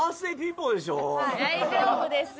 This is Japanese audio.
大丈夫ですよ！